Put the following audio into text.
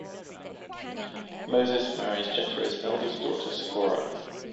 Moses marries Jethro's eldest daughter Sephora.